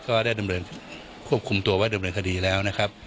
ก็ได้ควบคุมตัวว่าดำเนินคดีแล้ว